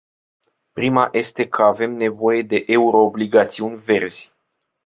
Prima este că avem nevoie de euro-obligațiuni verzi.